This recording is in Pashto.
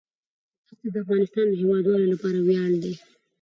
دښتې د افغانستان د هیوادوالو لپاره ویاړ دی.